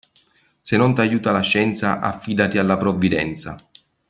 Se non t'aiuta la scienza, affidati alla provvidenza.